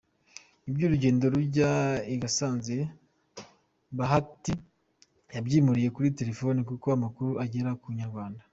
Iby’urugendo rujya i Gasanze Bahati yabyimuriye kuri telefone, kuko amakuru agera ku Inyarwanda.